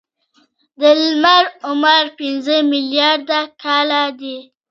د لمر عمر پنځه ملیارده کاله دی.